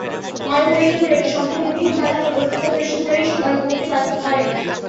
আরও পরীক্ষা করে এটি সম্পূর্ণ ভিন্ন কাঠামোয় প্রতিস্থাপনের সুপারিশও তাঁরা করতে পারেন।